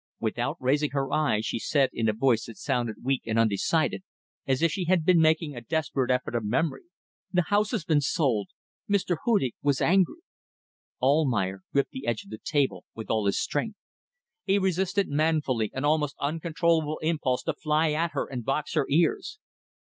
Without raising her eyes she said, in a voice that sounded weak and undecided as if she had been making a desperate effort of memory "The house has been sold. Mr. Hudig was angry." Almayer gripped the edge of the table with all his strength. He resisted manfully an almost uncontrollable impulse to fly at her and box her ears.